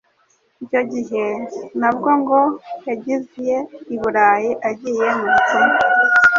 icyo gihe nabwo ngo yagiye i Burayi agiye mu butumwa